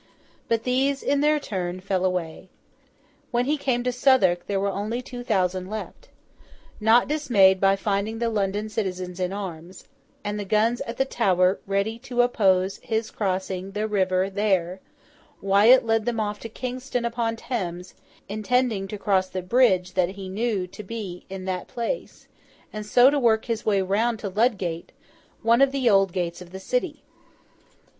But these, in their turn, fell away. When he came to Southwark, there were only two thousand left. Not dismayed by finding the London citizens in arms, and the guns at the Tower ready to oppose his crossing the river there, Wyat led them off to Kingston upon Thames, intending to cross the bridge that he knew to be in that place, and so to work his way round to Ludgate, one of the old gates of the City.